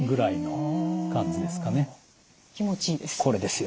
気持ちいいです。